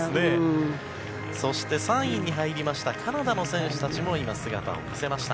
３位に入りましたカナダの選手たちも姿を見せました。